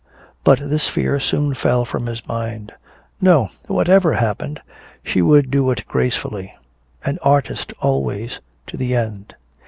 But this fear soon fell from his mind. No, whatever happened, she would do it gracefully, an artist always, to the end.